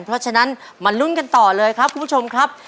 เพราะฉะนั้นมาลุ้นกันต่อเลยครับคุณผู้ชมครับ